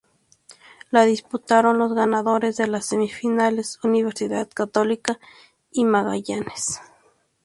La disputaron los ganadores de las semifinales, Universidad Católica y Magallanes.